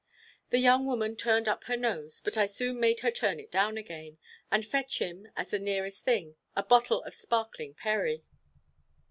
The young woman turned up her nose, but I soon made her turn it down again, and fetch him, as the nearest thing, a bottle of sparkling perry.